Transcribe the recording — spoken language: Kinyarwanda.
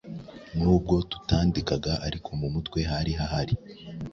nubwo tutandikaga ariko mumutwe hari hahari